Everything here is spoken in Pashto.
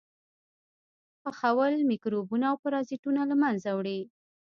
پخول میکروبونه او پرازیټونه له منځه وړي.